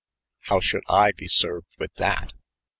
"Howe schuld I be served with that?